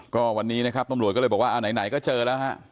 ก็วันนี้นะครับตำรวจก็เลยบอกว่าเอาไหนก็เจอแล้วฮะ